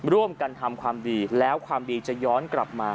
ร่วมกันทำความดีแล้วความดีจะย้อนกลับมา